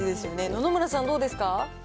野々村さん、どうですか。